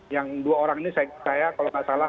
yang dua orang ini saya kalau nggak salah